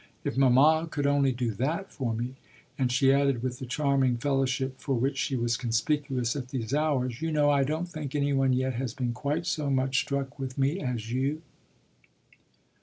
If mamma could only do that for me!" And she added with the charming fellowship for which she was conspicuous at these hours: "You know I don't think any one yet has been quite so much struck with me as you."